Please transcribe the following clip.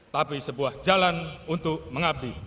tapi sebuah jalan untuk mengabdi